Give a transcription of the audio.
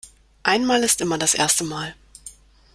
Einmal ist immer das erste Mal.